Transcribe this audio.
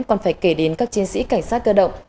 còn phải kể đến các chiến sĩ cảnh sát cơ động